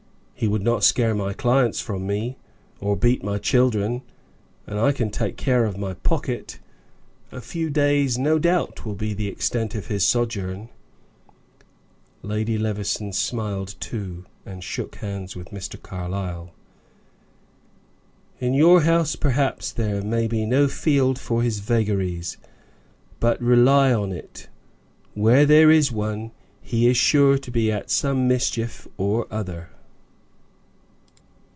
He would not scare my clients from me, or beat my children, and I can take care of my pocket. A few days will, no doubt, be the extent of his sojourn." Lady Levison smiled too, and shook hands with Mr. Carlyle. "In your house, perhaps, there may be no field for his vagaries, but rely upon it, where there is one he is sure to be at some mischief or other."